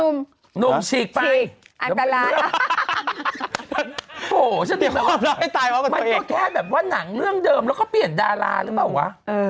แม้ว่าหนังเรื่องเดิมแล้วก็เปลี่ยนดาราหรือเปล่าวะ